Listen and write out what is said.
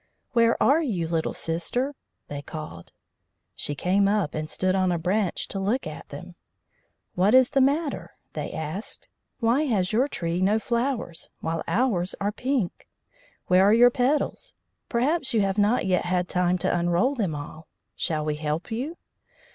"Where are you, little sister?" they called. She came up and stood on a branch to look at them. "What is the matter?" they asked. "Why has your tree no flowers, while ours are pink? Where are your petals? Perhaps you have not yet had time to unroll them all. Shall we help you?"